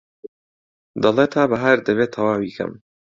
دەڵێ تا بەهار دەبێ تەواوی کەم